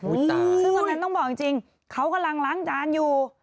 ซึ่งตอนนั้นต้องบอกจริงเขากำลังล้างจานอยู่